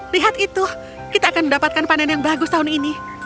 lihat itu kita akan mendapatkan panen yang bagus tahun ini